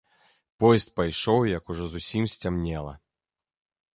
Поезд пайшоў, як ужо зусім сцямнела.